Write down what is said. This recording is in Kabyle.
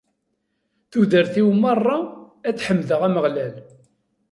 Tudert-iw merra, ad ḥemdeɣ Ameɣlal.